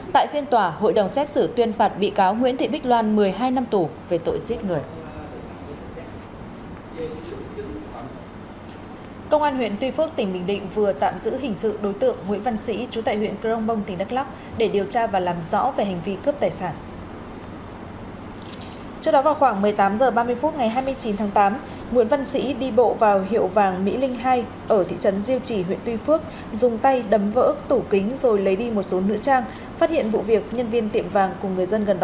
tại phiên tòa hội đồng xét xử tuyên phạt bị cáo nguyễn thị bích loan một mươi hai năm tù về tội giết người